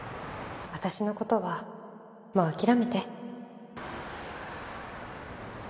私の事はもう諦めて。